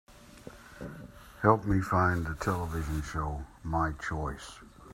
Help me find the television show, My Choice.